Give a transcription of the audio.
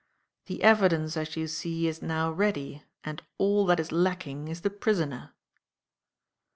The evidence, as you see, is now ready, and all that is lacking is the prisoner."